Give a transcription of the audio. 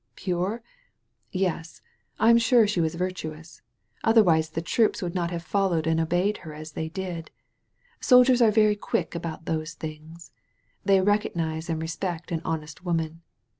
Pure? Yes. I am sure she was virtuous. Otherwise the troops would not have followed and obeyed her as they did. Sol diers are very quick about those things. They recognize and respect an honest woman.